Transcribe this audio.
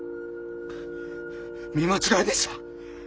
見間違いでした。